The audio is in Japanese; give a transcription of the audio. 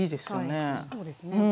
そうですね。